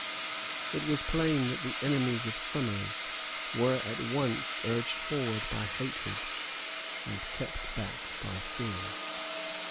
It was plain that the enemies of Somers were at once urged forward by hatred and kept back by fear.